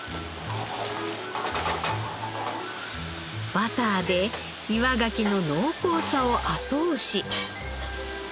バターで岩ガキの濃厚さを後押し。